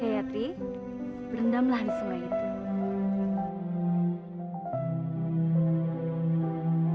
kayatri berendamlah di sungai itu